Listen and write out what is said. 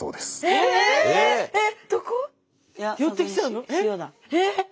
えっ！